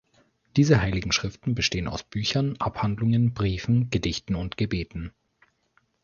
Diese heiligen Schriften bestehen aus Büchern, Abhandlungen, Briefen, Gedichten und Gebeten.